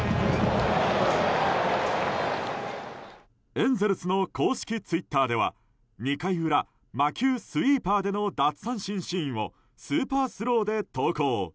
エンゼルスの公式ツイッターでは２回裏、魔球スイーパーでの奪三振シーンをスーパースローで投稿。